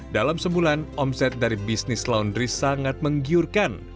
dalam sebulan omset dari bisnis laundry sangat menggiurkan